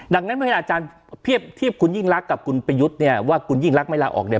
ดังนั้นเมื่ออาจารย์เทียบคุณยิ่งรักกับคุณประยุทธ์เนี่ยว่าคุณยิ่งรักไม่ลาออกเนี่ย